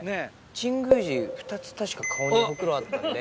神宮寺２つ確か顔にホクロあったんで。